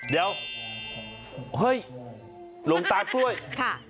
เดี๋ยวเฮ้ยหลวงตากล้วยค่ะ